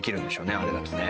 あれだとね。